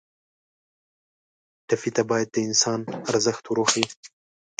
ټپي ته باید د انسان ارزښت ور وښیو.